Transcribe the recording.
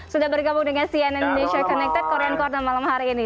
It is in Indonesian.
sudah bergabung dengan cnn indonesia connected korean corner malam hari ini